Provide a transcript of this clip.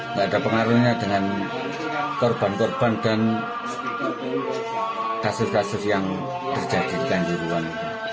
nggak ada pengaruhnya dengan korban korban dan kasus kasus yang terjadi di kanjuruan